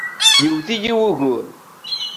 Yewwet-iyi wugur.